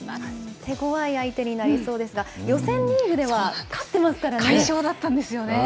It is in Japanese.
手ごわい相手になりそうですが、予選リーグでは勝ってますか快勝だったんですよね。